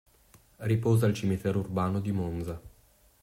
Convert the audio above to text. Riposa al Cimitero Urbano di Monza.